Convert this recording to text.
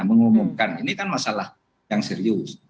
mengumumkan ini kan masalah yang serius